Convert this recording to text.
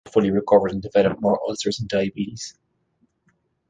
She never fully recovered and developed more ulcers and diabetes.